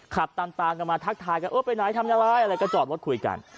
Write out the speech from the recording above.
ขับตามกันมาทักทายกันเออไปไหนทำอะไรอะไรก็จอดรถคุยกัน